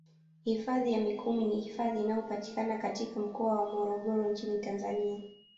Hifadhi ya mikumi ni hifadhi inayopatikana katika mkoa wa morogoro nchini Tanzania